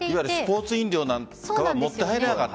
スポーツ飲料とかは持って入れなかった。